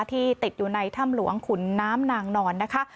ที่ติดอยู่ในถ้ำหลวงขุนน้ำนางนอนนะคะ